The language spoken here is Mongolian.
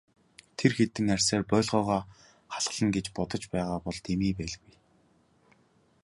Тэр хэдэн арьсаар боольхойгоо халхална гэж бодож байгаа бол дэмий байлгүй.